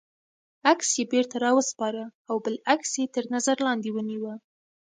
عکس یې بېرته را و سپاره او بل عکس یې تر نظر لاندې ونیوه.